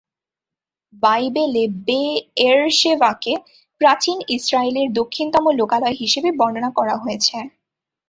বাইবেলে বে-এরশেভাকে প্রাচীন ইসরায়েলের দক্ষিণতম লোকালয় হিসেবে বর্ণনা করা হয়েছে।